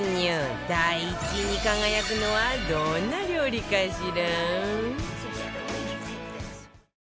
第１位に輝くのはどんな料理かしら？